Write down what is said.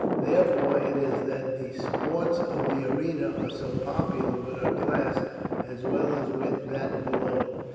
Therefore it is that the sports of the arena are so popular with our class as well as with that below it.